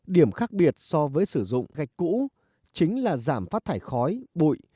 điểm khác biệt so với sử dụng gạch cũ chính là giảm phát thải khói bụi